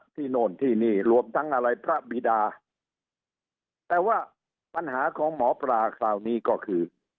โน่นที่นี่รวมทั้งอะไรพระบิดาแต่ว่าปัญหาของหมอปลาคราวนี้ก็คือ